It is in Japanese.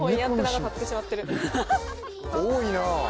多いなぁ